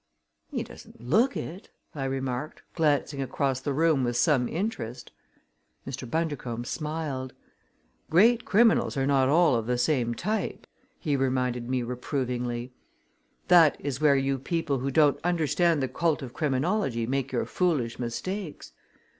"He doesn't look it," I remarked, glancing across the room with some interest. Mr. Bundercombe smiled. "Great criminals are not all of the same type," he reminded me reprovingly. "That is where you people who don't understand the cult of criminology make your foolish mistakes.